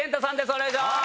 お願いします。